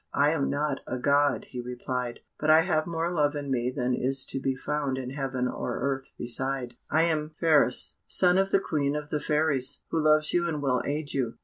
"I am not a God," he replied, "but I have more love in me than is to be found in heaven or earth beside. I am Phratis, son of the Queen of the Fairies, who loves you and will aid you."